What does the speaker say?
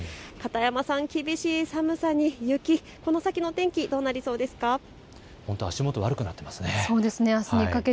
片山さん、厳しい寒さに雪、この先の天気どうなりそうですか。